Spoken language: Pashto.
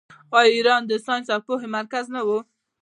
آیا ایران د ساینس او پوهې مرکز نه و؟